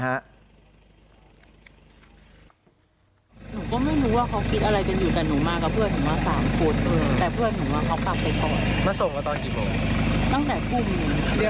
หนูก็ไม่รู้ว่าเขาคิดอะไรกันอยู่กับหนูมากครับ